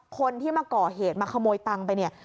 คนที่มาก่อเหตุมาขโมยตังค์ไปเนี่ย